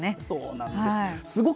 そうなんです。